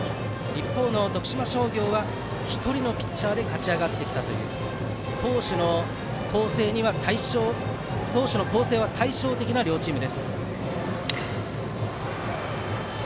一方の徳島商業は１人のピッチャーで勝ち上がってきたということで投手の構成は対照的な両チーム。